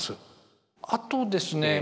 あとですね